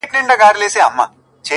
دوه شاهان په یوه ملک کي نه ځاییږي!!